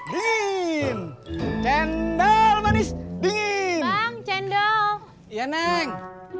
dingin cendol manis dingin cendol iya neng